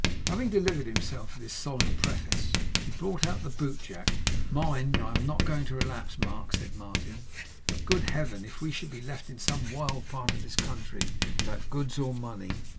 Having delivered himself of this solemn preface, he brought the bootjack. 'Mind! I am not going to relapse, Mark,' said Martin; 'but, good Heaven, if we should be left in some wild part of this country without goods or money!